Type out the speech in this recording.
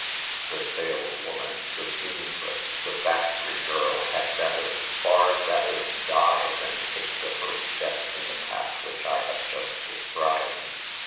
The saleswoman, the seamstress, the factory girl had better, far better, die than take the first step in the path which I have just de scribed.